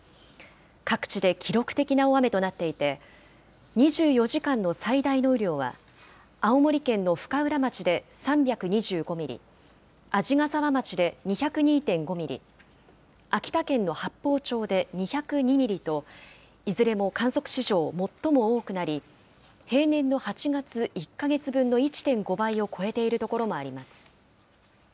各地で記録的な大雨となっていて、２４時間の最大の雨量は、青森県の深浦町で３２５ミリ、鰺ヶ沢町で２０２．５ミリ、秋田県の八峰町で２０２ミリと、いずれも観測史上最も多くなり、平年の８月１か月分の１．５倍を超えている所もあります。